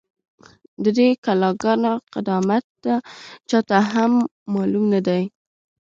، د دې کلا گانو قدامت چا ته هم معلوم نه دی،